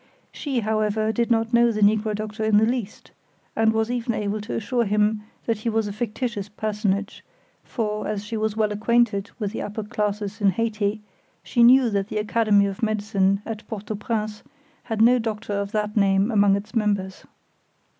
She, however, did not know the negro doctor in the least, and was even able to assure him that he was a fictitious personage, for, as she was well acquainted with the upper classes in Hayti, she knew that the Academy of Medicine at Port au Prince had no doctor of that name among its members.